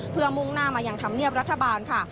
เพื่อมุ่งหน้ามายังธรรมเนียบรัฐบาลค่ะ